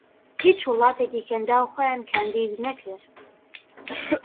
هیچ وڵاتێکی کەنداو خۆیان کاندید نەکرد